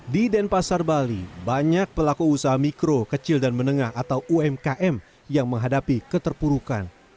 di denpasar bali banyak pelaku usaha mikro kecil dan menengah atau umkm yang menghadapi keterpurukan